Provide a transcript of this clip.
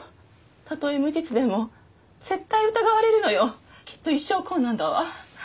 たとえ無実でも絶対疑われるのよきっと一生こうなんだわ